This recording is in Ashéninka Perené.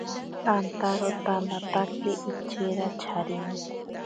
Antaro tanaatake ichera charine.